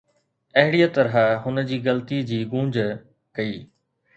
اهڙيء طرح هن جي غلطي جي گونج ڪئي